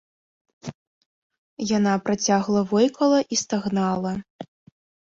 Яна працягла войкала і стагнала.